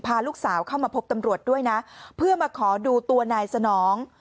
พาลูกสาวเข้ามาพบตำรวจด้วยนะเพื่อมาขอดูตัวนายสนอง